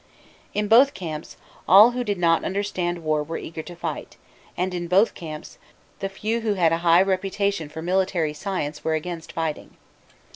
In both camps, all who did not understand war were eager to fight; and, in both camps; the few who head a high reputation for military science were against fighting.